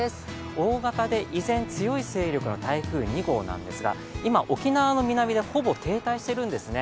大型で依然強い勢力の台風２号なんですが今、沖縄の南でほぼ停滞しているんですね。